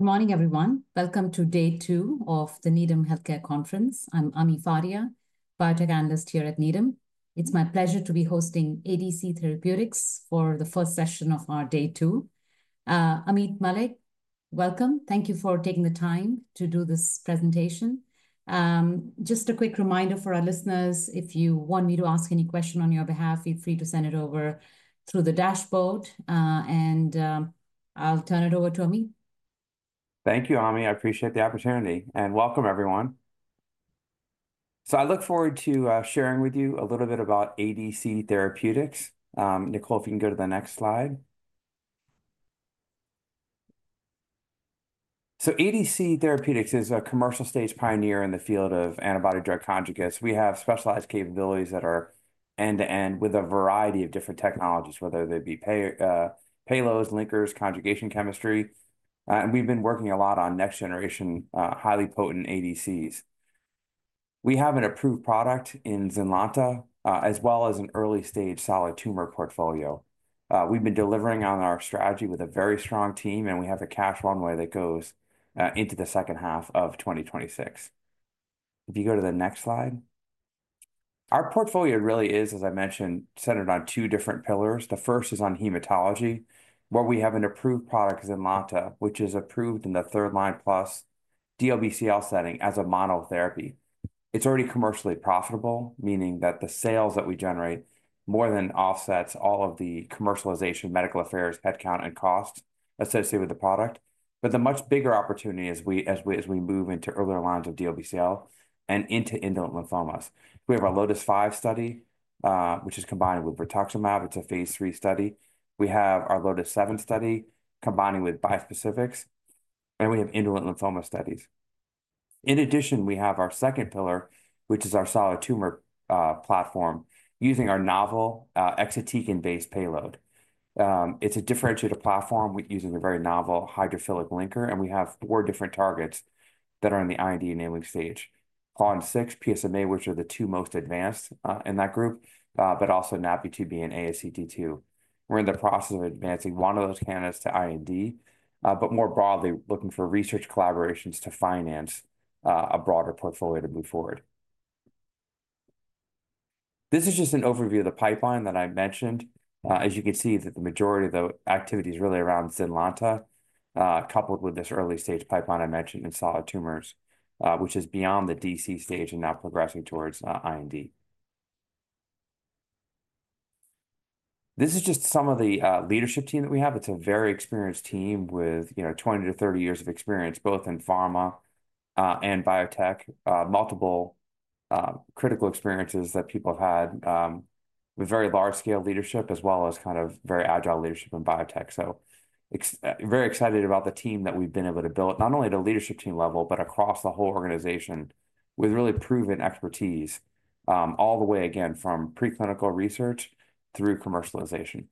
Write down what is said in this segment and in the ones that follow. Good morning, everyone. Welcome to Day 2 of the Needham Healthcare Conference. I'm Ami Fadia, Biotech Analyst here at Needham. It's my pleasure to be hosting ADC Therapeutics for the first session of our Day 2. Ameet Mallik, welcome. Thank you for taking the time to do this presentation. Just a quick reminder for our listeners, if you want me to ask any question on your behalf, feel free to send it over through the dashboard, and I'll turn it over to Ameet. Thank you, Amy. I appreciate the opportunity, and welcome, everyone. I look forward to sharing with you a little bit about ADC Therapeutics. Nicole, if you can go to the next slide. ADC Therapeutics is a commercial-stage pioneer in the field of antibody-drug conjugates. We have specialized capabilities that are end-to-end with a variety of different technologies, whether they be payloads, linkers, conjugation chemistry. We have been working a lot on next-generation, highly potent ADCs. We have an approved product in Zynlonta as well as an early-stage solid tumor portfolio. We have been delivering on our strategy with a very strong team, and we have a cash runway that goes into the second half of 2026. If you go to the next slide, our portfolio really is, as I mentioned, centered on two different pillars. The first is on hematology. Where we have an approved product is Zynlonta, which is approved in the third-line plus DLBCL setting as a monotherapy. It's already commercially profitable, meaning that the sales that we generate more than offsets all of the commercialization, medical affairs, headcount, and cost associated with the product. The much bigger opportunity as we move into earlier lines of DLBCL and into indolent lymphomas. We have our LOTIS-5 study, which is combined with rituximab. It's a phase III study. We have our LOTIS-7 study combining with bispecifics, and we have indolent lymphoma studies. In addition, we have our second pillar, which is our solid tumor platform using our novel exatecan-based payload. It's a differentiated platform using a very novel hydrophilic linker, and we have four different targets that are in the IND enabling stage: PON6, PSMA, which are the two most advanced in that group, but also NaPi2b and ASCT2. We're in the process of advancing one of those candidates to IND, but more broadly, looking for research collaborations to finance a broader portfolio to move forward. This is just an overview of the pipeline that I mentioned. As you can see, the majority of the activity is really around Zynlonta, coupled with this early-stage pipeline I mentioned in solid tumors, which is beyond the IND enabling stage and now progressing towards IND. This is just some of the leadership team that we have. It's a very experienced team with 20 to 30 years of experience both in pharma and biotech, multiple critical experiences that people have had with very large-scale leadership as well as kind of very agile leadership in biotech. Very excited about the team that we've been able to build, not only at a leadership team level, but across the whole organization with really proven expertise, all the way, again, from preclinical research through commercialization.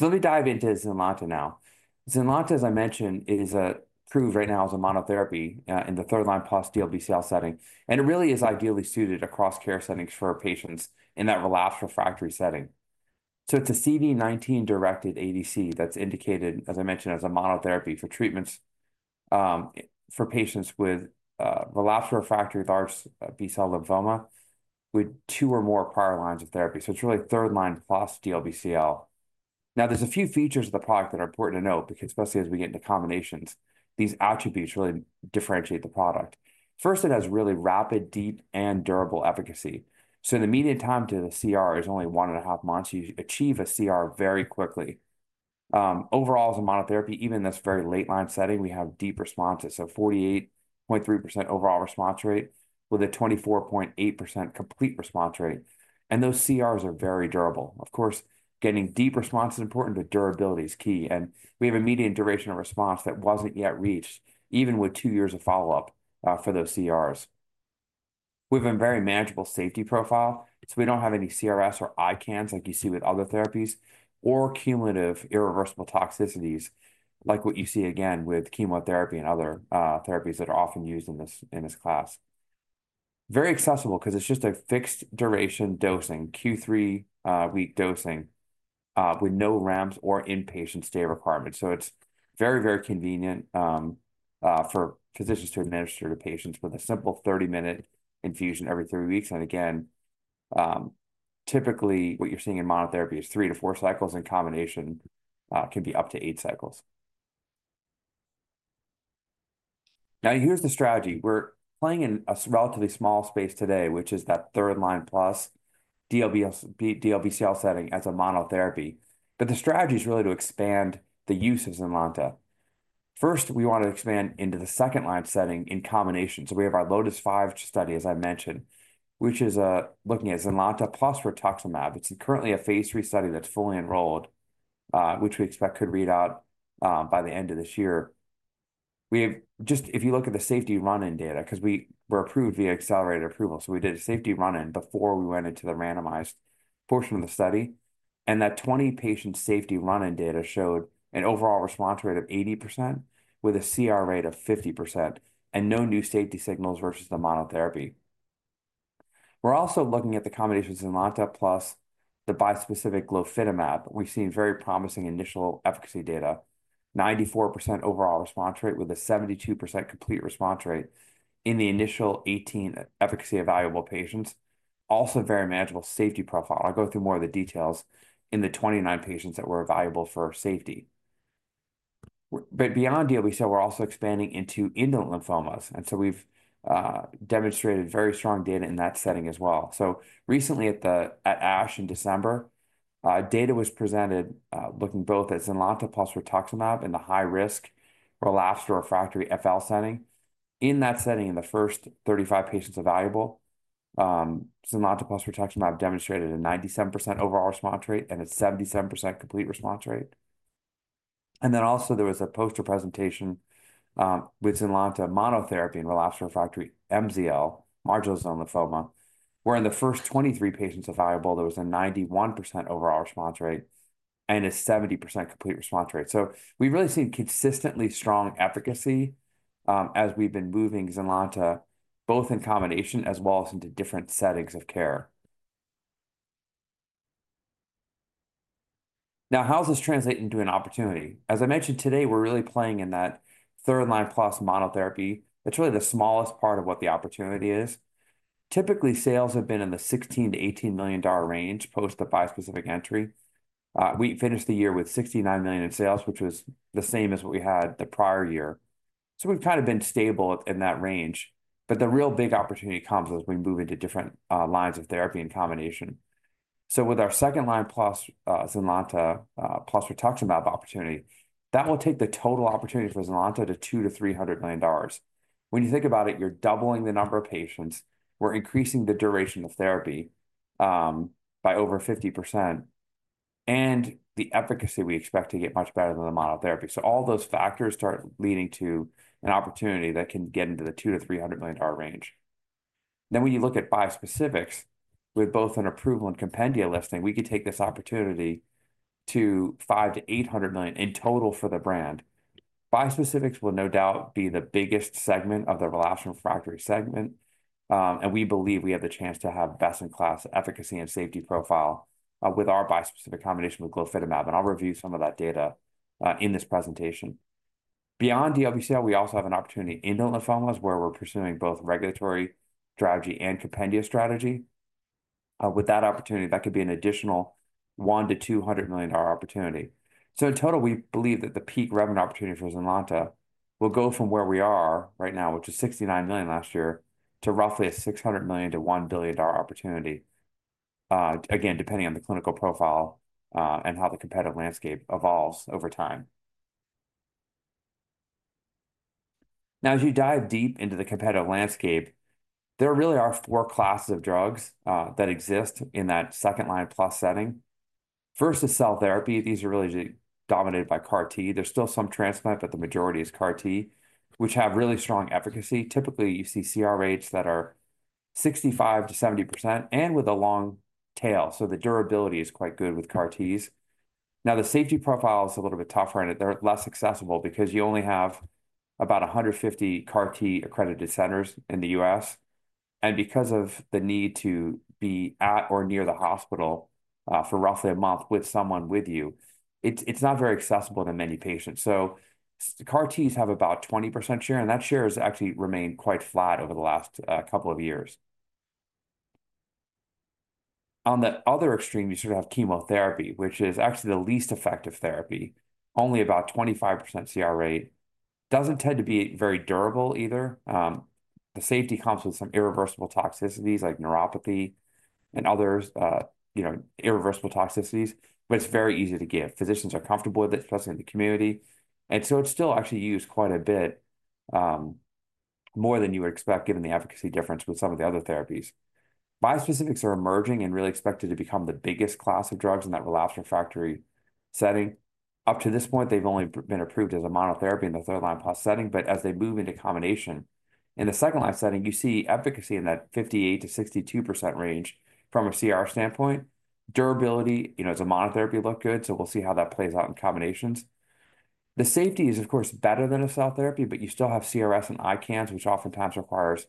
Let me dive into Zynlonta now. Zynlonta, as I mentioned, is approved right now as a monotherapy in the third-line plus DLBCL setting. It really is ideally suited across care settings for our patients in that relapsed refractory setting. It's a CD19-directed ADC that's indicated, as I mentioned, as a monotherapy for treatment for patients with relapsed refractory large B-cell lymphoma with two or more prior lines of therapy. It's really third-line plus DLBCL. Now, there's a few features of the product that are important to note, especially as we get into combinations. These attributes really differentiate the product. First, it has really rapid, deep, and durable efficacy. The median time to the CR is only one and a half months. You achieve a CR very quickly. Overall, as a monotherapy, even in this very late-line setting, we have deep responses. 48.3% overall response rate with a 24.8% complete response rate. Those CRs are very durable. Of course, getting deep response is important, but durability is key. We have a median duration of response that wasn't yet reached, even with two years of follow-up for those CRs. We have a very manageable safety profile. We don't have any CRS or ICANS, like you see with other therapies, or cumulative irreversible toxicities, like what you see, again, with chemotherapy and other therapies that are often used in this class. Very accessible because it's just a fixed duration dosing, Q3-week dosing, with no ramps or inpatient stay requirements. It is very, very convenient for physicians to administer to patients with a simple 30-minute infusion every three weeks. Again, typically, what you're seeing in monotherapy is three to four cycles; in combination, can be up to eight cycles. Now, here's the strategy. We're playing in a relatively small space today, which is that third-line plus DLBCL setting as a monotherapy. The strategy is really to expand the use of Zynlonta. First, we want to expand into the second-line setting in combination. We have our LOTIS-5 study, as I mentioned, which is looking at Zynlonta plus rituximab. It is currently a phase 3 study that is fully enrolled, which we expect could read out by the end of this year. If you look at the safety run-in data, because we were approved via accelerated approval, we did a safety run-in before we went into the randomized portion of the study. That 20-patient safety run-in data showed an overall response rate of 80% with a CR rate of 50% and no new safety signals versus the monotherapy. We are also looking at the combination of Zynlonta plus the bispecific glofitamab. We have seen very promising initial efficacy data, 94% overall response rate with a 72% complete response rate in the initial 18 efficacy-available patients. Also, very manageable safety profile. I'll go through more of the details in the 29 patients that were available for safety. Beyond DLBCL, we're also expanding into indolent lymphomas. We've demonstrated very strong data in that setting as well. Recently at ASH in December, data was presented looking both at Zynlonta plus rituximab in the high-risk relapsed to refractory FL setting. In that setting, in the first 35 patients available, Zynlonta plus rituximab demonstrated a 97% overall response rate and a 77% complete response rate. There was also a poster presentation with Zynlonta monotherapy in relapsed refractory MZL, marginal zone lymphoma, where in the first 23 patients available, there was a 91% overall response rate and a 70% complete response rate. We've really seen consistently strong efficacy as we've been moving Zynlonta both in combination as well as into different settings of care. Now, how does this translate into an opportunity? As I mentioned today, we're really playing in that third-line plus monotherapy. That's really the smallest part of what the opportunity is. Typically, sales have been in the $16-$18 million range post the bispecific entry. We finished the year with $69 million in sales, which was the same as what we had the prior year. We've kind of been stable in that range. The real big opportunity comes as we move into different lines of therapy and combination. With our second-line plus Zynlonta plus Rituximab opportunity, that will take the total opportunity for Zynlonta to $200-$300 million. When you think about it, you're doubling the number of patients. We're increasing the duration of therapy by over 50%. The efficacy we expect to get much better than the monotherapy. All those factors start leading to an opportunity that can get into the $200 million-$300 million range. When you look at bispecifics, with both an approval and compendia listing, we could take this opportunity to $500 million-$800 million in total for the brand. Bispecifics will no doubt be the biggest segment of the relapse refractory segment. We believe we have the chance to have best-in-class efficacy and safety profile with our bispecific combination with glofitamab. I'll review some of that data in this presentation. Beyond DLBCL, we also have an opportunity in indolent lymphomas where we're pursuing both regulatory strategy and compendia strategy. With that opportunity, that could be an additional $100 million-$200 million opportunity. In total, we believe that the peak revenue opportunity for Zynlonta will go from where we are right now, which is $69 million last year, to roughly a $600 million-$1 billion opportunity, again, depending on the clinical profile and how the competitive landscape evolves over time. As you dive deep into the competitive landscape, there really are four classes of drugs that exist in that second-line plus setting. First is cell therapy. These are really dominated by CAR-T. There is still some transplant, but the majority is CAR-T, which have really strong efficacy. Typically, you see CR rates that are 65%-70% and with a long tail. The durability is quite good with CAR-Ts. The safety profile is a little bit tougher, and they are less accessible because you only have about 150 CAR-T accredited centers in the US. Because of the need to be at or near the hospital for roughly a month with someone with you, it's not very accessible to many patients. CAR-Ts have about 20% share, and that share has actually remained quite flat over the last couple of years. On the other extreme, you sort of have chemotherapy, which is actually the least effective therapy, only about 25% CR rate. Doesn't tend to be very durable either. The safety comes with some irreversible toxicities like neuropathy and other irreversible toxicities, but it's very easy to give. Physicians are comfortable with it, especially in the community. It's still actually used quite a bit, more than you would expect given the efficacy difference with some of the other therapies. Bispecifics are emerging and really expected to become the biggest class of drugs in that relapse refractory setting. Up to this point, they've only been approved as a monotherapy in the third-line plus setting. As they move into combination in the second-line setting, you see efficacy in that 58-62% range from a CR standpoint. Durability, as a monotherapy, looked good. You will see how that plays out in combinations. The safety is, of course, better than a cell therapy, but you still have CRS and ICANS, which oftentimes requires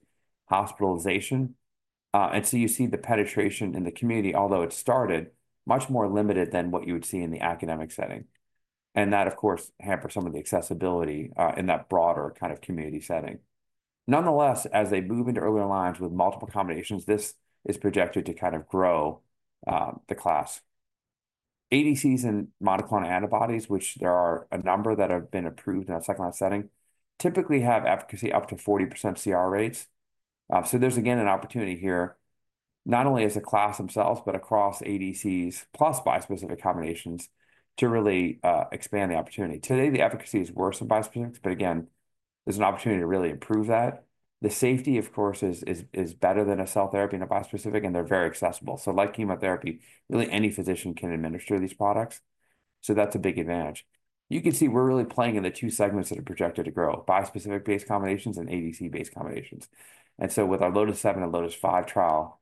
hospitalization. You see the penetration in the community, although it started much more limited than what you would see in the academic setting. That, of course, hampers some of the accessibility in that broader kind of community setting. Nonetheless, as they move into earlier lines with multiple combinations, this is projected to kind of grow the class. ADCs and monoclonal antibodies, which there are a number that have been approved in a second-line setting, typically have efficacy up to 40% CR rates. There's, again, an opportunity here, not only as a class themselves, but across ADCs plus bispecific combinations to really expand the opportunity. Today, the efficacy is worse in bispecifics, but again, there's an opportunity to really improve that. The safety, of course, is better than a cell therapy and a bispecific, and they're very accessible. Like chemotherapy, really any physician can administer these products. That's a big advantage. You can see we're really playing in the two segments that are projected to grow: bispecific-based combinations and ADC-based combinations. With our LOTIS-7 and LOTIS-5 trial,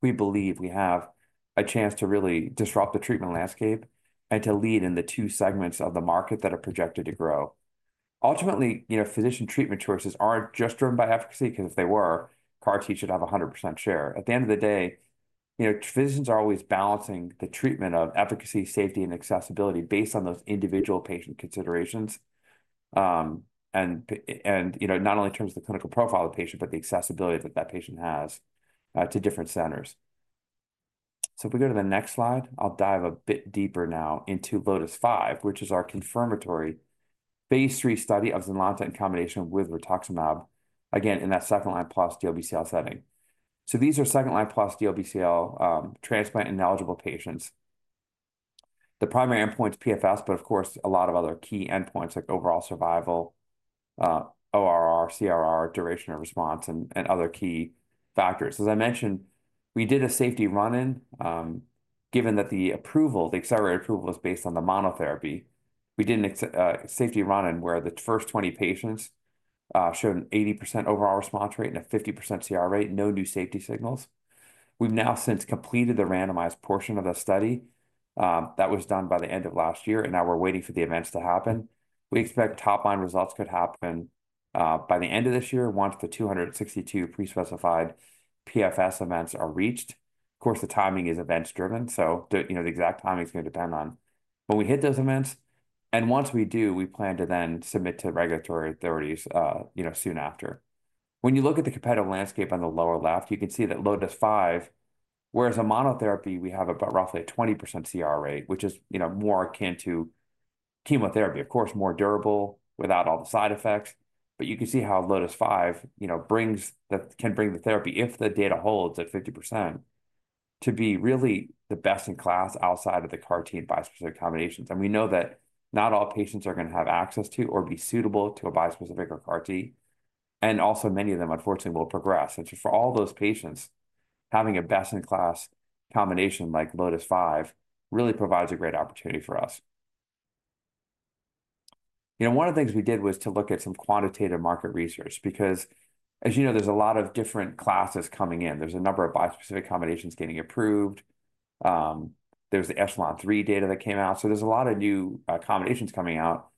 we believe we have a chance to really disrupt the treatment landscape and to lead in the two segments of the market that are projected to grow. Ultimately, physician treatment choices are not just driven by efficacy because if they were, CAR-T should have 100% share. At the end of the day, physicians are always balancing the treatment of efficacy, safety, and accessibility based on those individual patient considerations. Not only in terms of the clinical profile of the patient, but the accessibility that that patient has to different centers. If we go to the next slide, I'll dive a bit deeper now into LOTIS-5, which is our confirmatory phase 3 study of ZYNLONTA in combination with rituximab, again, in that second-line plus DLBCL setting. These are second-line plus DLBCL transplant ineligible patients. The primary endpoint's PFS, but of course, a lot of other key endpoints like overall survival, ORR, CRR, duration of response, and other key factors. As I mentioned, we did a safety run-in. Given that the accelerated approval was based on the monotherapy, we did a safety run-in where the first 20 patients showed an 80% overall response rate and a 50% CR rate, no new safety signals. We have now since completed the randomized portion of the study that was done by the end of last year. We are now waiting for the events to happen. We expect top-line results could happen by the end of this year once the 262 prespecified PFS events are reached. Of course, the timing is events-driven. The exact timing is going to depend on when we hit those events. Once we do, we plan to then submit to regulatory authorities soon after. When you look at the competitive landscape on the lower left, you can see that LOTIS-5, whereas a monotherapy, we have about roughly a 20% CR rate, which is more akin to chemotherapy, of course, more durable without all the side effects. You can see how LOTIS-5 can bring the therapy, if the data holds at 50%, to be really the best in class outside of the CAR-T and bispecific combinations. We know that not all patients are going to have access to or be suitable to a bispecific or CAR-T. Also, many of them, unfortunately, will progress. For all those patients, having a best-in-class combination like LOTIS-5 really provides a great opportunity for us. One of the things we did was to look at some quantitative market research because, as you know, there's a lot of different classes coming in. There's a number of bispecific combinations getting approved. There's the ECHELON-3 data that came out. There is a lot of new combinations coming out.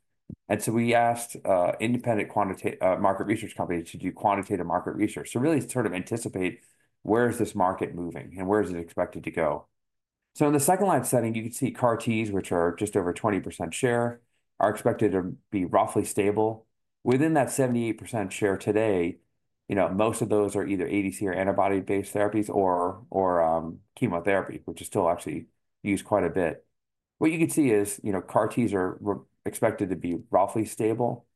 We asked independent market research companies to do quantitative market research to really sort of anticipate where is this market moving and where is it expected to go. In the second-line setting, you can see CAR-Ts, which are just over 20% share, are expected to be roughly stable. Within that 78% share today, most of those are either ADC or antibody-based therapies or chemotherapy, which is still actually used quite a bit. What you can see is CAR-Ts are expected to be roughly stable.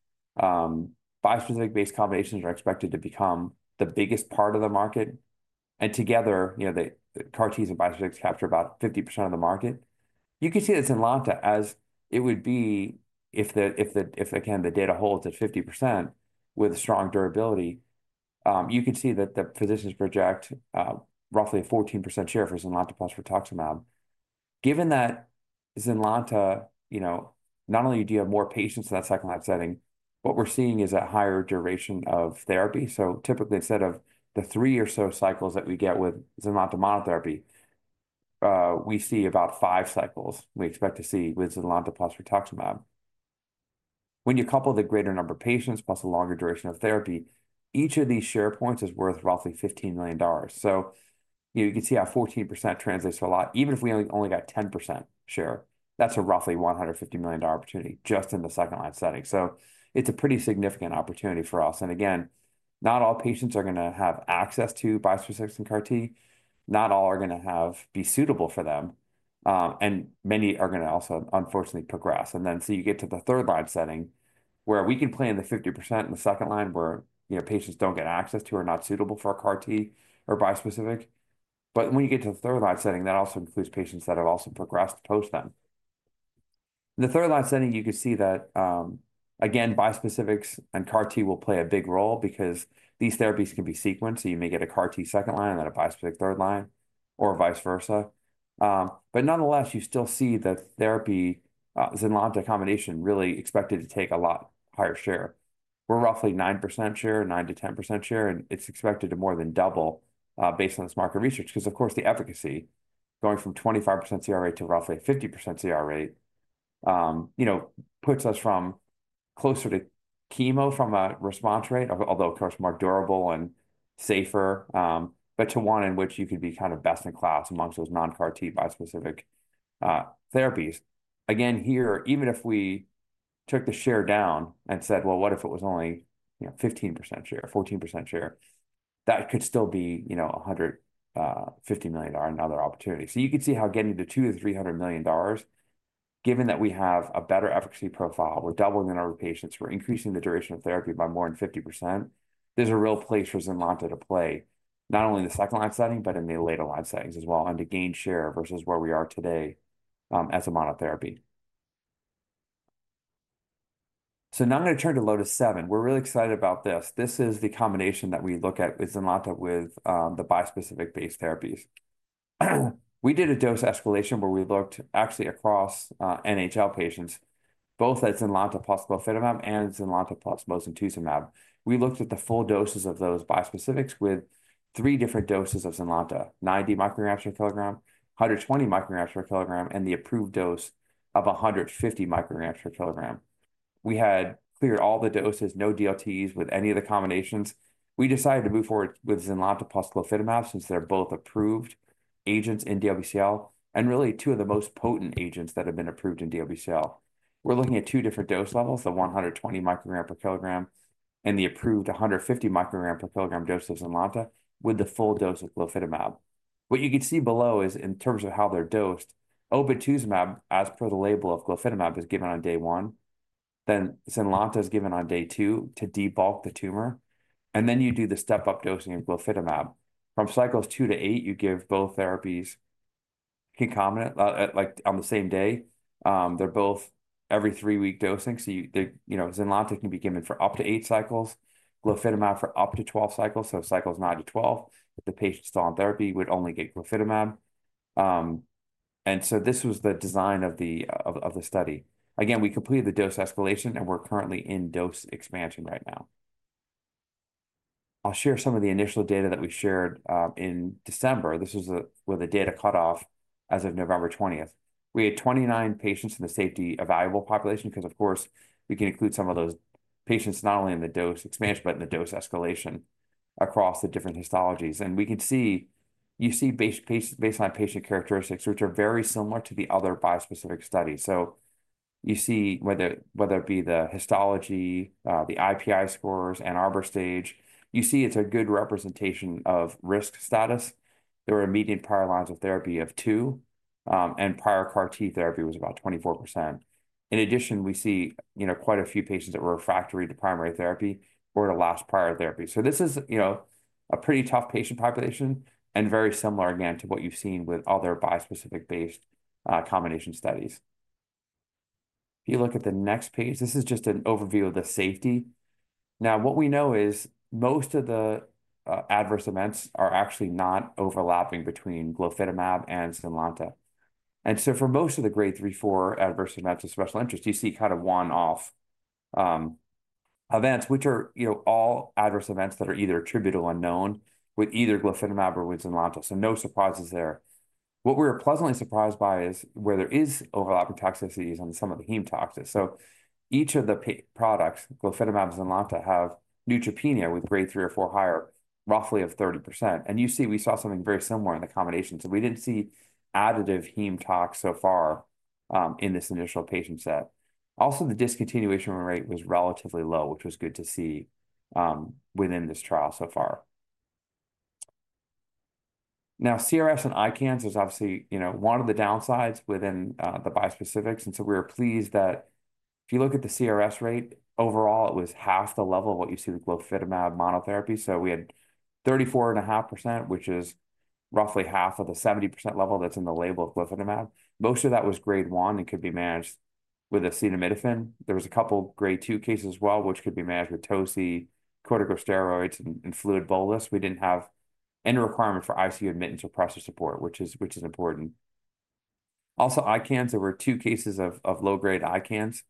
Bispecific-based combinations are expected to become the biggest part of the market. Together, CAR-Ts and bispecifics capture about 50% of the market. You can see that Zynlonta, as it would be if, again, the data holds at 50% with strong durability, you can see that the physicians project roughly a 14% share for Zynlonta plus rituximab. Given that Zynlonta, not only do you have more patients in that second-line setting, what we're seeing is a higher duration of therapy. Typically, instead of the three or so cycles that we get with Zynlonta monotherapy, we see about five cycles we expect to see with Zynlonta plus rituximab. When you couple the greater number of patients plus a longer duration of therapy, each of these share points is worth roughly $15 million. You can see how 14% translates to a lot. Even if we only got 10% share, that's a roughly $150 million opportunity just in the second-line setting. It is a pretty significant opportunity for us. Not all patients are going to have access to bispecifics and CAR-T. Not all are going to be suitable for them. Many are going to also, unfortunately, progress. You get to the third-line setting where we can play in the 50% in the second line where patients do not get access to or are not suitable for CAR-T or bispecific. When you get to the third-line setting, that also includes patients that have also progressed post them. In the third-line setting, you can see that, again, bispecifics and CAR-T will play a big role because these therapies can be sequenced. You may get a CAR-T second line and then a bispecific third line or vice versa. Nonetheless, you still see that therapy Zynlonta combination really expected to take a lot higher share. We are roughly 9% share, 9-10% share. It is expected to more than double based on this market research because, of course, the efficacy going from 25% CR rate to roughly 50% CR rate puts us closer to chemo from a response rate, although, of course, more durable and safer, but to one in which you could be kind of best in class amongst those non-CAR-T bispecific therapies. Again, here, even if we took the share down and said, "What if it was only 15% share, 14% share?" That could still be $150 million another opportunity. You can see how getting to $200 million-$300 million, given that we have a better efficacy profile, we're doubling the number of patients, we're increasing the duration of therapy by more than 50%, there's a real place for Zynlonta to play, not only in the second-line setting, but in the later line settings as well, and to gain share versus where we are today as a monotherapy. Now I'm going to turn to LOTIS-7. We're really excited about this. This is the combination that we look at with Zynlonta with the bispecific-based therapies. We did a dose escalation where we looked actually across NHL patients, both at Zynlonta plus glofitamab and Zynlonta plus mosunetuzumab. We looked at the full doses of those bispecifics with three different doses of Zynlonta: 90 micrograms per kilogram, 120 micrograms per kilogram, and the approved dose of 150 micrograms per kilogram. We had cleared all the doses, no DLTs with any of the combinations. We decided to move forward with Zynlonta plus glofitamab since they're both approved agents in DLBCL and really two of the most potent agents that have been approved in DLBCL. We're looking at two different dose levels, the 120 micrograms per kilogram and the approved 150 micrograms per kilogram dose of Zynlonta with the full dose of glofitamab. What you can see below is in terms of how they're dosed, obinutuzumab, as per the label of glofitamab, is given on day one. Then Zynlonta is given on day two to debulk the tumor. You do the step-up dosing of glofitamab. From cycles two to eight, you give both therapies concomitantly on the same day. They're both every three-week dosing. Zynlonta can be given for up to eight cycles, glofitamab for up to 12 cycles. Cycles 9 to 12, if the patient's still on therapy, would only get glofitamab. This was the design of the study. Again, we completed the dose escalation, and we're currently in dose expansion right now. I'll share some of the initial data that we shared in December. This was with a data cutoff as of November 20. We had 29 patients in the safety available population because, of course, we can include some of those patients not only in the dose expansion, but in the dose escalation across the different histologies. You see baseline patient characteristics, which are very similar to the other bispecific studies. You see whether it be the histology, the IPI scores, Ann Arbor stage, you see it's a good representation of risk status. There were immediate prior lines of therapy of two, and prior CAR-T therapy was about 24%. In addition, we see quite a few patients that were refractory to primary therapy or to last prior therapy. This is a pretty tough patient population and very similar, again, to what you've seen with other bispecific-based combination studies. If you look at the next page, this is just an overview of the safety. Now, what we know is most of the adverse events are actually not overlapping between glofitamab and Zynlonta. For most of the grade 3, 4 adverse events of special interest, you see kind of one-off events, which are all adverse events that are either attributable or unknown with either glofitamab or with Zynlonta. No surprises there. What we were pleasantly surprised by is where there is overlapping toxicities on some of the heme toxins. Each of the products, glofitamab and Zynlonta, have neutropenia with grade 3 or 4 or higher, roughly of 30%. You see we saw something very similar in the combination. We did not see additive heme tox so far in this initial patient set. Also, the discontinuation rate was relatively low, which was good to see within this trial so far. Now, CRS and ICANS is obviously one of the downsides within the bispecifics. We were pleased that if you look at the CRS rate, overall, it was half the level of what you see with glofitamab monotherapy. We had 34.5%, which is roughly half of the 70% level that is in the label of glofitamab. Most of that was grade 1 and could be managed with acetaminophen. There were a couple of grade 2 cases as well, which could be managed with tocilizumab, corticosteroids, and fluid bolus. We did not have any requirement for ICU admittance or pressure support, which is important. Also, ICANS, there were two cases of low-grade ICANS.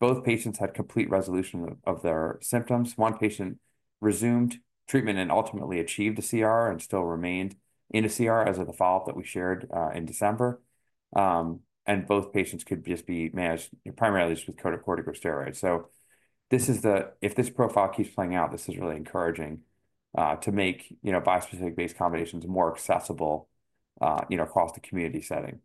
Both patients had complete resolution of their symptoms. One patient resumed treatment and ultimately achieved a CR and still remained in a CR as of the follow-up that we shared in December. Both patients could just be managed primarily with corticosteroids. If this profile keeps playing out, this is really encouraging to make bispecific-based combinations more accessible across the community setting.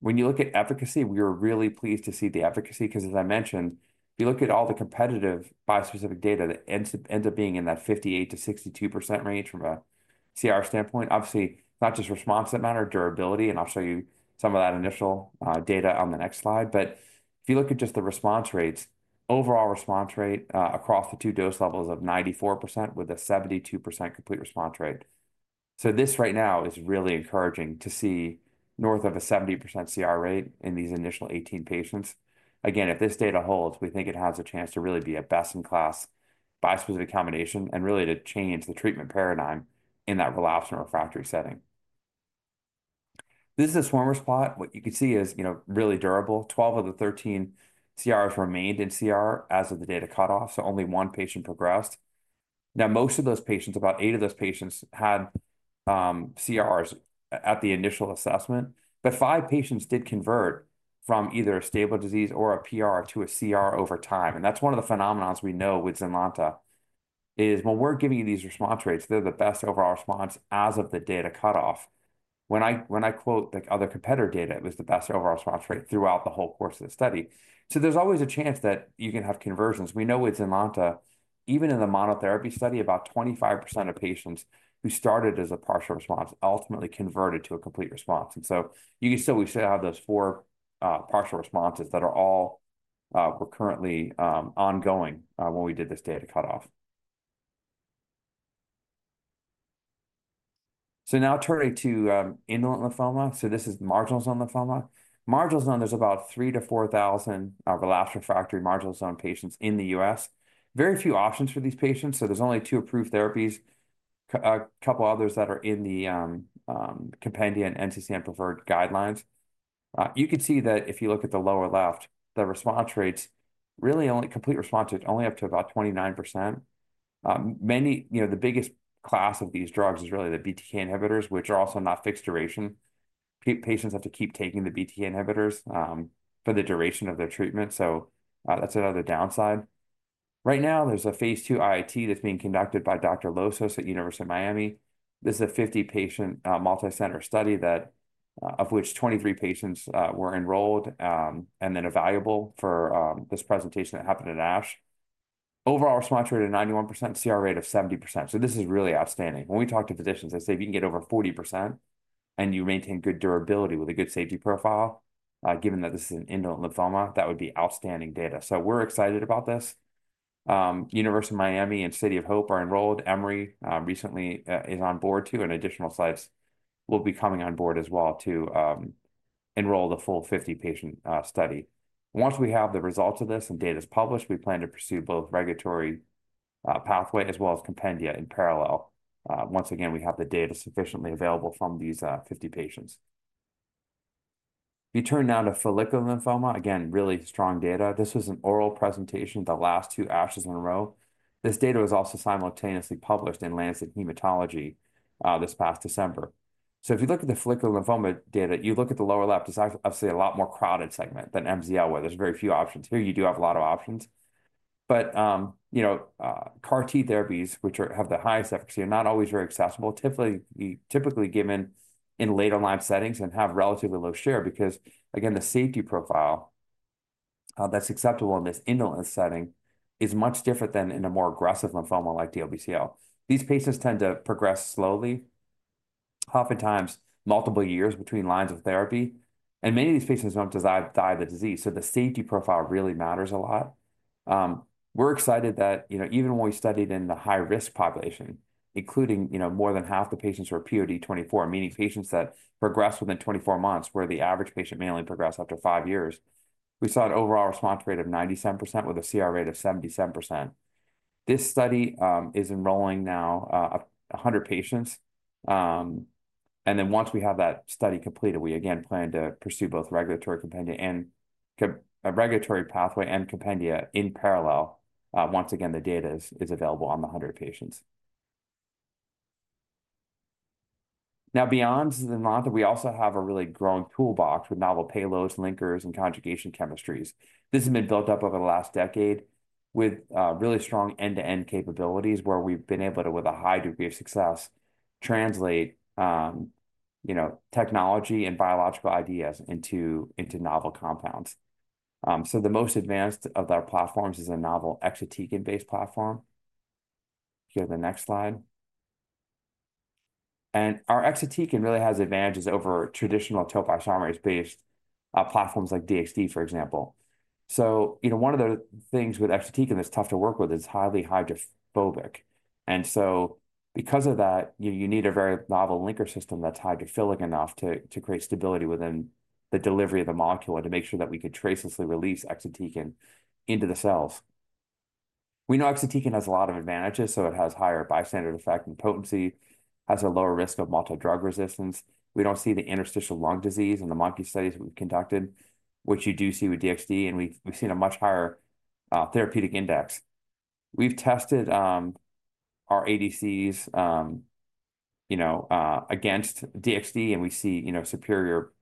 When you look at efficacy, we were really pleased to see the efficacy because, as I mentioned, if you look at all the competitive bispecific data that ends up being in that 58-62% range from a CR standpoint, obviously, not just response that matter, durability. I will show you some of that initial data on the next slide. If you look at just the response rates, overall response rate across the two dose levels of 94% with a 72% complete response rate. This right now is really encouraging to see north of a 70% CR rate in these initial 18 patients. Again, if this data holds, we think it has a chance to really be a best-in-class bispecific combination and really to change the treatment paradigm in that relapse and refractory setting. This is a Swarmers plot. What you can see is really durable. Twelve of the 13 CRs remained in CR as of the data cutoff. Only one patient progressed. Most of those patients, about eight of those patients, had CRs at the initial assessment. Five patients did convert from either a stable disease or a PR to a CR over time. That is one of the phenomenons we know with Zynlonta is when we're giving you these response rates, they're the best overall response as of the data cutoff. When I quote the other competitor data, it was the best overall response rate throughout the whole course of the study. There is always a chance that you can have conversions. We know with Zynlonta, even in the monotherapy study, about 25% of patients who started as a partial response ultimately converted to a complete response. You can still, we still have those four partial responses that are all currently ongoing when we did this data cutoff. Now turning to indolent lymphoma. This is marginal zone lymphoma. Marginal zone, there are about 3,000-4,000 relapsed refractory marginal zone patients in the US. Very few options for these patients. There are only two approved therapies, a couple others that are in the compendium and NCCN preferred guidelines. You can see that if you look at the lower left, the response rates, really only complete response, it's only up to about 29%. The biggest class of these drugs is really the BTK inhibitors, which are also not fixed duration. Patients have to keep taking the BTK inhibitors for the duration of their treatment. That is another downside. Right now, there is a phase two IIT that is being conducted by Dr. Lossos at University of Miami. This is a 50-patient multicenter study of which 23 patients were enrolled and then evaluable for this presentation that happened at ASH. Overall, response rate of 91%, CR rate of 70%. This is really outstanding. When we talk to physicians, they say if you can get over 40% and you maintain good durability with a good safety profile, given that this is an indolent lymphoma, that would be outstanding data. We are excited about this. University of Miami and City of Hope are enrolled. Emory recently is on board too. Additional sites will be coming on board as well to enroll the full 50-patient study. Once we have the results of this and data is published, we plan to pursue both regulatory pathway as well as compendia in parallel. Once again, we have the data sufficiently available from these 50 patients. We turn now to follicular lymphoma. Again, really strong data. This was an oral presentation, the last two ASHs in a row. This data was also simultaneously published in Lancet Hematology this past December. If you look at the follicular lymphoma data, you look at the lower left, it's obviously a lot more crowded segment than MZL, where there's very few options. Here, you do have a lot of options. CAR-T therapies, which have the highest efficacy, are not always very accessible, typically given in later line settings and have relatively low share because, again, the safety profile that's acceptable in this indolent setting is much different than in a more aggressive lymphoma like DLBCL. These patients tend to progress slowly, oftentimes multiple years between lines of therapy. Many of these patients don't die of the disease. The safety profile really matters a lot. We're excited that even when we studied in the high-risk population, including more than half the patients who are POD24, meaning patients that progress within 24 months, where the average patient mainly progressed after five years, we saw an overall response rate of 97% with a CR rate of 77%. This study is enrolling now 100 patients. Once we have that study completed, we again plan to pursue both regulatory pathway and compendia in parallel. Once again, the data is available on the 100 patients. Now, beyond Zynlonta, we also have a really growing toolbox with novel payloads, linkers, and conjugation chemistries. This has been built up over the last decade with really strong end-to-end capabilities where we've been able to, with a high degree of success, translate technology and biological ideas into novel compounds. The most advanced of our platforms is a novel exatecan-based platform. Here's the next slide. Our exatecan really has advantages over traditional topoisomerase-based platforms like DXT, for example. One of the things with exatecan that's tough to work with is it's highly hydrophobic. Because of that, you need a very novel linker system that's hydrophilic enough to create stability within the delivery of the molecule to make sure that we could trace this and release exatecan into the cells. We know exatecan has a lot of advantages. It has higher bystander effect and potency, has a lower risk of multi-drug resistance. We don't see the interstitial lung disease in the monkey studies we've conducted, which you do see with DXT, and we've seen a much higher therapeutic index. We've tested our ADCs against DXT, and we see superior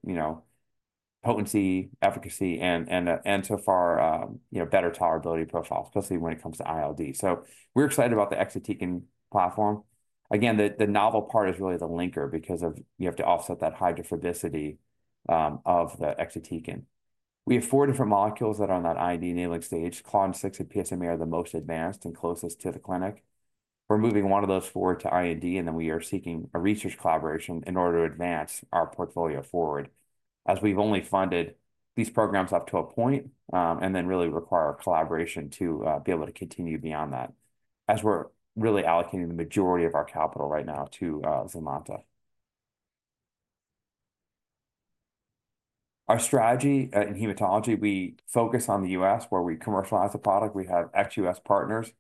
potency, efficacy, and so far better tolerability profiles, especially when it comes to ILD. We're excited about the exatecan platform. Again, the novel part is really the linker because you have to offset that hydrophobicity of the exatecan. We have four different molecules that are on that IND enabling stage. CLON-VI and PSMA are the most advanced and closest to the clinic. We're moving one of those forward to IND, and then we are seeking a research collaboration in order to advance our portfolio forward as we've only funded these programs up to a point and then really require collaboration to be able to continue beyond that as we're really allocating the majority of our capital right now to Zynlonta. Our strategy in hematology, we focus on the US where we commercialize the product. We have ex-US partners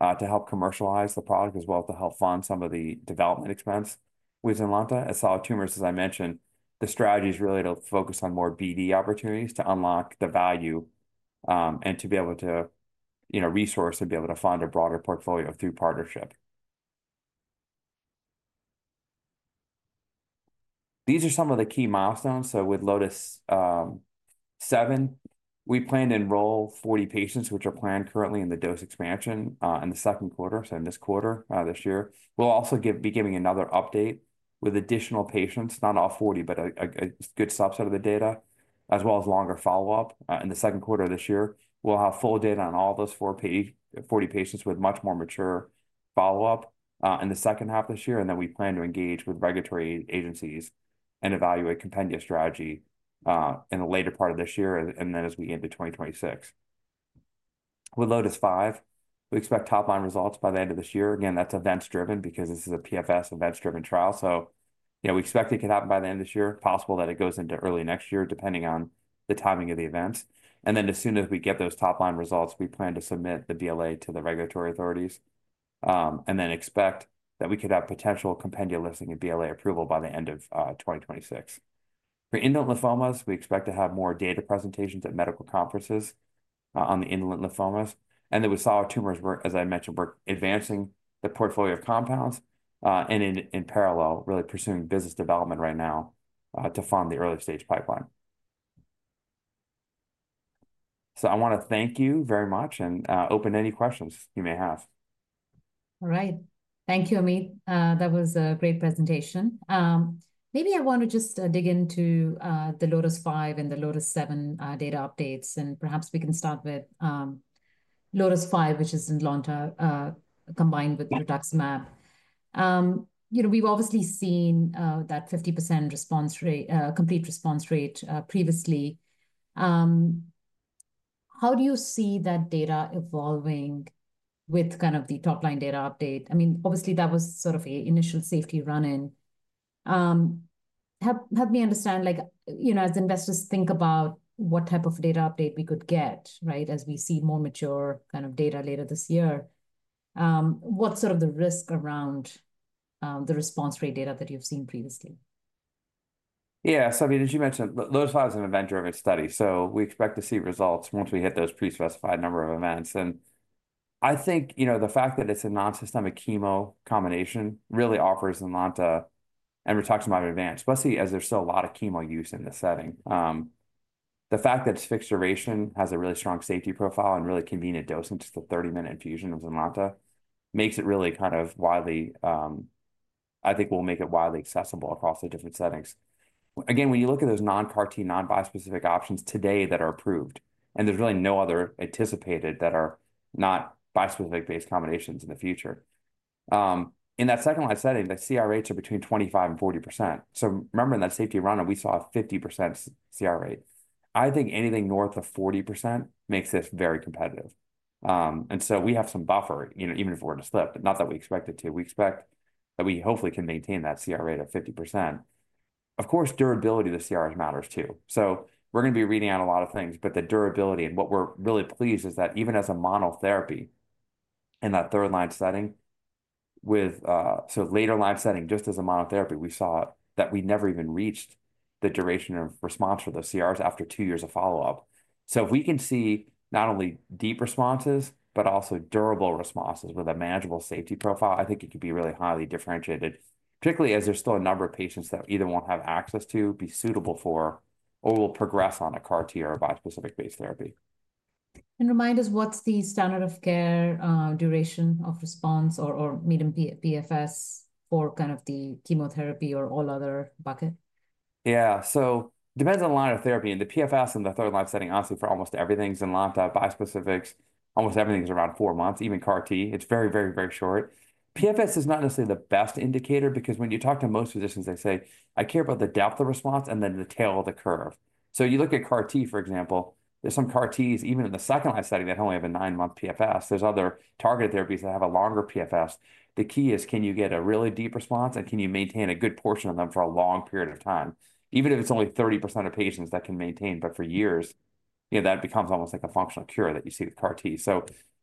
to help commercialize the product as well as to help fund some of the development expense with Zynlonta. As solid tumors, as I mentioned, the strategy is really to focus on more BD opportunities to unlock the value and to be able to resource and be able to fund a broader portfolio through partnership. These are some of the key milestones. With LOTIS-7, we plan to enroll 40 patients, which are planned currently in the dose expansion in the second quarter. In this quarter this year, we'll also be giving another update with additional patients, not all 40, but a good subset of the data, as well as longer follow-up. In the second quarter of this year, we'll have full data on all those 40 patients with much more mature follow-up in the second half of this year. We plan to engage with regulatory agencies and evaluate compendia strategy in the later part of this year and as we get into 2026. With LOTIS-5, we expect top-line results by the end of this year. Again, that's events-driven because this is a PFS events-driven trial. We expect it could happen by the end of this year, possible that it goes into early next year depending on the timing of the events. As soon as we get those top-line results, we plan to submit the BLA to the regulatory authorities and expect that we could have potential compendia listing and BLA approval by the end of 2026. For indolent lymphomas, we expect to have more data presentations at medical conferences on the indolent lymphomas. With solid tumors, as I mentioned, we're advancing the portfolio of compounds and in parallel, really pursuing business development right now to fund the early-stage pipeline. I want to thank you very much and open to any questions you may have. All right. Thank you, Ameet. That was a great presentation. Maybe I want to just dig into the LOTIS-5 and the LOTIS-7 data updates. Perhaps we can start with LOTIS-5, which is ZYNLONTA combined with rituximab. We've obviously seen that 50% complete response rate previously. How do you see that data evolving with kind of the top-line data update? I mean, obviously, that was sort of an initial safety run-in. Help me understand, as investors think about what type of data update we could get, right, as we see more mature kind of data later this year, what's sort of the risk around the response rate data that you've seen previously? Yeah. I mean, as you mentioned, LOTIS-5 is an event-driven study. We expect to see results once we hit those prespecified number of events. I think the fact that it's a non-systemic chemo combination really offers Zynlonta and rituximab advance, especially as there's still a lot of chemo use in this setting. The fact that it's fixed duration, has a really strong safety profile, and really convenient dosing to the 30-minute infusion of Zynlonta makes it really kind of widely—I think will make it widely accessible across the different settings. Again, when you look at those non-CAR-T, non-bispecific options today that are approved, and there's really no other anticipated that are not bispecific-based combinations in the future. In that second-line setting, the CR rates are between 25-40%. Remember in that safety run-in, we saw a 50% CR rate. I think anything north of 40% makes this very competitive. We have some buffer, even if we're in a slip, but not that we expect it to. We expect that we hopefully can maintain that CR rate at 50%. Of course, durability of the CRs matters too. We are going to be reading out a lot of things, but the durability and what we are really pleased is that even as a monotherapy in that third-line setting, with so later-line setting just as a monotherapy, we saw that we never even reached the duration of response for those CRs after two years of follow-up. If we can see not only deep responses, but also durable responses with a manageable safety profile, I think it could be really highly differentiated, particularly as there is still a number of patients that either will not have access to be suitable for or will progress on a CAR-T or a bispecific-based therapy. Remind us, what's the standard of care duration of response or median PFS for kind of the chemotherapy or all other bucket? Yeah. It depends on the line of therapy. The PFS in the third-line setting, honestly, for almost everything's Zynlonta, bispecifics, almost everything's around four months, even CAR-T. It's very, very, very short. PFS is not necessarily the best indicator because when you talk to most physicians, they say, "I care about the depth of response and then the tail of the curve." You look at CAR-T, for example, there's some CAR-Ts even in the second-line setting that only have a nine-month PFS. There's other targeted therapies that have a longer PFS. The key is, can you get a really deep response and can you maintain a good portion of them for a long period of time? Even if it's only 30% of patients that can maintain, but for years, that becomes almost like a functional cure that you see with CAR-T.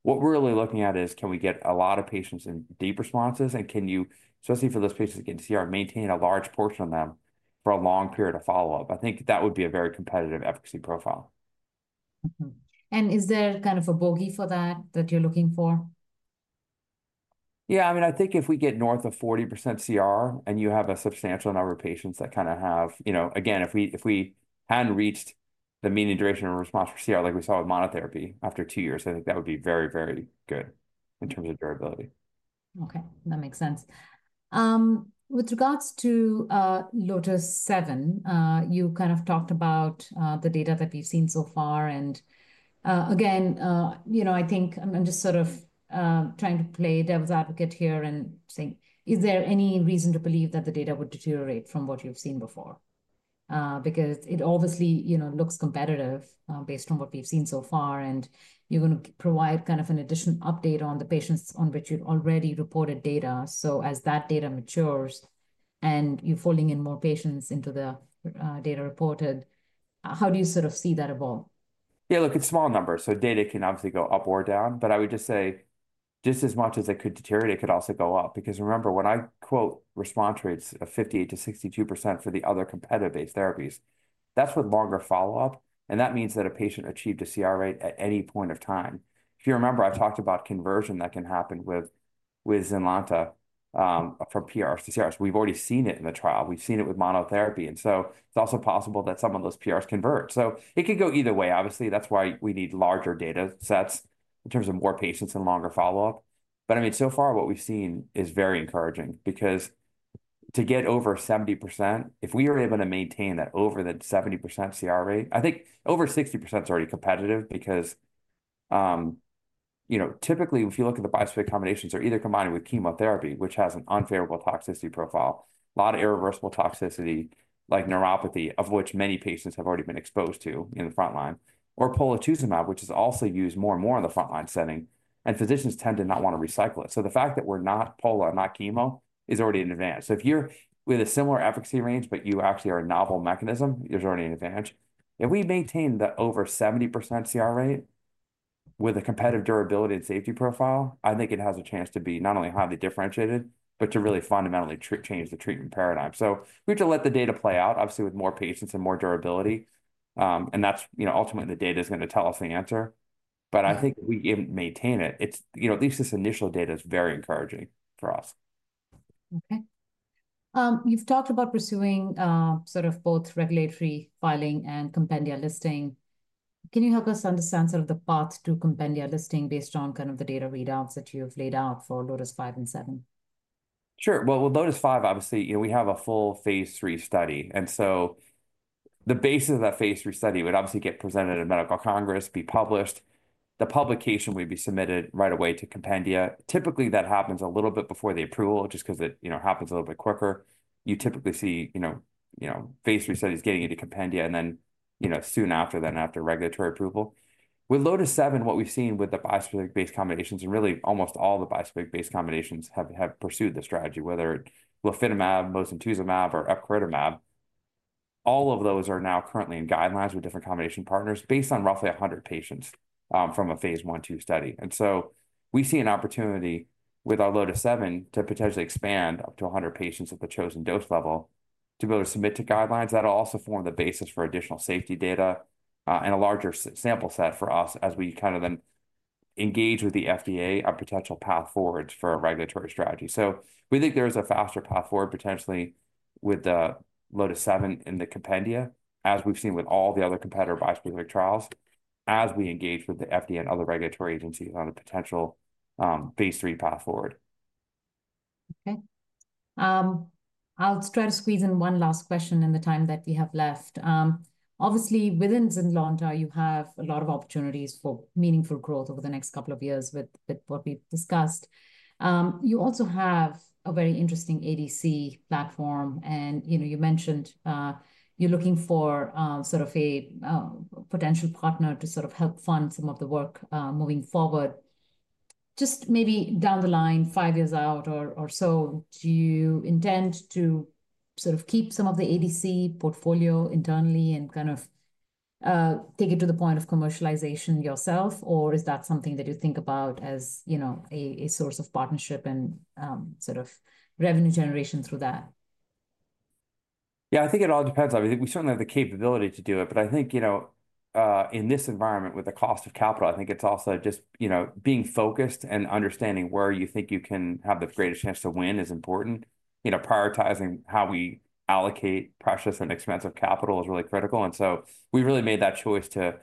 What we're really looking at is, can we get a lot of patients in deep responses and can you, especially for those patients that get CR, maintain a large portion of them for a long period of follow-up? I think that would be a very competitive efficacy profile. Is there kind of a bogey for that that you're looking for? Yeah. I mean, I think if we get north of 40% CR and you have a substantial number of patients that kind of have—again, if we hadn't reached the median duration of response for CR like we saw with monotherapy after two years, I think that would be very, very good in terms of durability. Okay. That makes sense. With regards to LOTIS-7, you kind of talked about the data that we've seen so far. I think I'm just sort of trying to play devil's advocate here and say, is there any reason to believe that the data would deteriorate from what you've seen before? Because it obviously looks competitive based on what we've seen so far. You're going to provide kind of an additional update on the patients on which you'd already reported data. As that data matures and you're folding in more patients into the data reported, how do you sort of see that evolve? Yeah. Look, it's small numbers. Data can obviously go up or down, but I would just say just as much as it could deteriorate, it could also go up. Because remember, when I quote response rates of 58-62% for the other competitive-based therapies, that's with longer follow-up. That means that a patient achieved a CR rate at any point of time. If you remember, I've talked about conversion that can happen with Zynlonta from PRs to CRs. We've already seen it in the trial. We've seen it with monotherapy. It is also possible that some of those PRs convert. It could go either way, obviously. That's why we need larger data sets in terms of more patients and longer follow-up. I mean, so far, what we've seen is very encouraging because to get over 70%, if we are able to maintain that over the 70% CR rate, I think over 60% is already competitive because typically, if you look at the bispecific combinations, they're either combined with chemotherapy, which has an unfavorable toxicity profile, a lot of irreversible toxicity like neuropathy, of which many patients have already been exposed to in the front line, or polatuzumab, which is also used more and more in the front-line setting. Physicians tend to not want to recycle it. The fact that we're not polo, not chemo, is already an advantage. If you're with a similar efficacy range, but you actually are a novel mechanism, there's already an advantage. If we maintain the over 70% CR rate with a competitive durability and safety profile, I think it has a chance to be not only highly differentiated, but to really fundamentally change the treatment paradigm. We have to let the data play out, obviously, with more patients and more durability. Ultimately, the data is going to tell us the answer. I think if we maintain it, at least this initial data is very encouraging for us. Okay. You've talked about pursuing sort of both regulatory filing and compendia listing. Can you help us understand sort of the path to compendia listing based on kind of the data readouts that you've laid out for LOTIS-5 and LOTIS-7? Sure. With LOTIS-5, obviously, we have a full phase three study. The basis of that phase three study would obviously get presented at Medical Congress, be published. The publication would be submitted right away to compendia. Typically, that happens a little bit before the approval just because it happens a little bit quicker. You typically see phase three studies getting into compendia and then soon after that, after regulatory approval. With LOTIS-7, what we've seen with the bispecific-based combinations, and really almost all the bispecific-based combinations have pursued the strategy, whether it's glofitamab, mosunetuzumab, or epcoritamab, all of those are now currently in guidelines with different combination partners based on roughly 100 patients from a phase one-two study. We see an opportunity with our LOTIS-7 to potentially expand up to 100 patients at the chosen dose level to be able to submit to guidelines. That'll also form the basis for additional safety data and a larger sample set for us as we kind of then engage with the FDA on potential path forwards for a regulatory strategy. We think there is a faster path forward potentially with the LOTIS-7 in the compendia, as we've seen with all the other competitor bispecific trials, as we engage with the FDA and other regulatory agencies on a potential phase three path forward. Okay. I'll try to squeeze in one last question in the time that we have left. Obviously, within ZYNLONTA, you have a lot of opportunities for meaningful growth over the next couple of years with what we've discussed. You also have a very interesting ADC platform. You mentioned you're looking for sort of a potential partner to sort of help fund some of the work moving forward. Just maybe down the line, five years out or so, do you intend to sort of keep some of the ADC portfolio internally and kind of take it to the point of commercialization yourself, or is that something that you think about as a source of partnership and sort of revenue generation through that? Yeah, I think it all depends. I mean, we certainly have the capability to do it. I think in this environment with the cost of capital, I think it's also just being focused and understanding where you think you can have the greatest chance to win is important. Prioritizing how we allocate precious and expensive capital is really critical. We have really made that choice to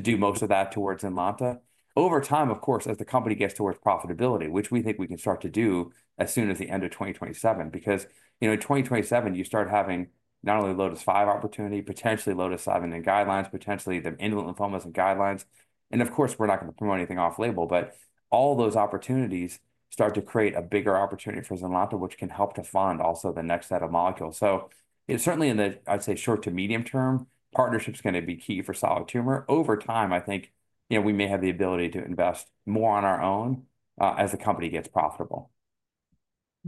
do most of that towards Zynlonta. Over time, of course, as the company gets towards profitability, which we think we can start to do as soon as the end of 2027, because in 2027, you start having not only LOTIS-5 opportunity, potentially LOTIS-7 in guidelines, potentially the indolent lymphomas in guidelines. Of course, we're not going to promote anything off-label, but all those opportunities start to create a bigger opportunity for ZYNLONTA, which can help to fund also the next set of molecules. Certainly in the, I'd say, short to medium term, partnership's going to be key for solid tumor. Over time, I think we may have the ability to invest more on our own as the company gets profitable.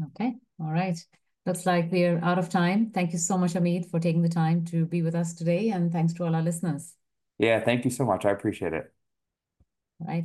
Okay. All right. Looks like we're out of time. Thank you so much, Ameet, for taking the time to be with us today. And thanks to all our listeners. Yeah, thank you so much. I appreciate it. All right.